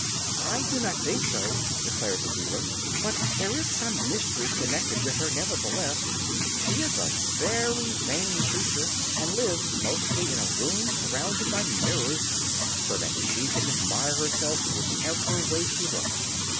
"I do not think so," declared the Wheeler. "But there is some mystery connected with her, nevertheless. She is a very vain creature, and lives mostly in a room surrounded by mirrors, so that she can admire herself whichever way she looks."